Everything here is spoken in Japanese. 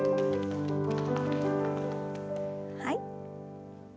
はい。